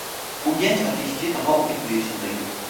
Bu genç ateşçi daha on dokuz yaşındaydı.